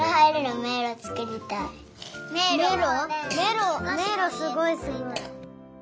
めいろすごいすごい。